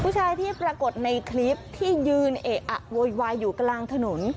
ผู้ชายที่ปรากฏในคลิปที่ยืนเอะอะโวยวายอยู่กลางถนน